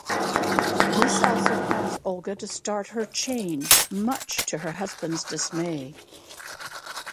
This also prompts Olga to start her change much to her husband's dismay.